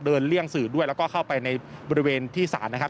เลี่ยงสื่อด้วยแล้วก็เข้าไปในบริเวณที่ศาลนะครับ